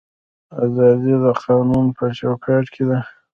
ازادي د قانون په چوکاټ کې ده